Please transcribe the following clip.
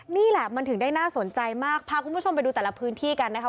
นี่แหละมันถึงได้น่าสนใจมากพาคุณผู้ชมไปดูแต่ละพื้นที่กันนะคะ